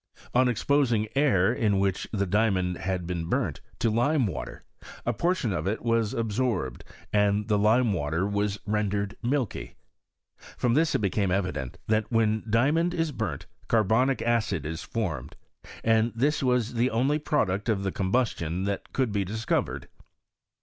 On exposing air in which diamond had been burnt, to lime water, a portion of it was absorbed, and the lime water was rendered milky. From this it became evident, that when diamond is burnt, carbonic add is formed, and this was the only product of the combustion that could be dis covered.